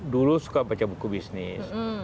dulu suka baca buku bisnis